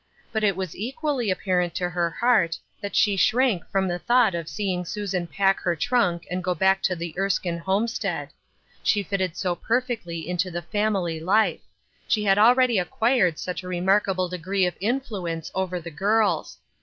But it was equally apparent to her heart that she shrank from the thought of seeing Susan pack her trunk and go back to the Erskine homestead ; she fitted so perfectly into the family life ; she had already acquired such a remarkable degree of influence 319 880 Buth Erslcine's Crosses, over the girls.